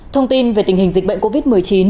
thông tin về tình hình dịch bệnh covid một mươi chín